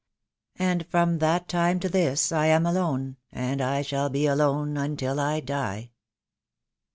"And from that time to this I am alone, And I shall be alone until I die."